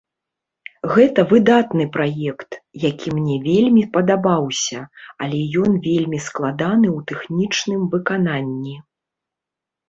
Гэта выдатны праект, які мне вельмі падабаўся, але ён вельмі складаны ў тэхнічным выкананні.